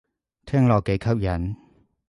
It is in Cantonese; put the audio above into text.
聽落幾吸引